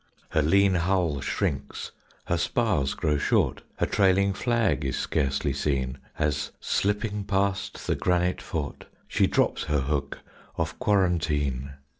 Her lean hull shrinks, her spars grow short, Her trailing flag is scarcely seen, As slipping past the granite fort She drops her hook off Quarantine.